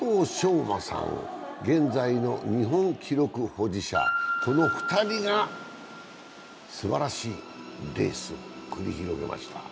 馬さん、現在の日本記録保持者、この２人がすばらしいレースを繰り広げました。